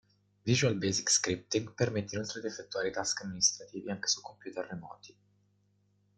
Visual Basic Scripting permette inoltre di effettuare task amministrativi anche su computer remoti.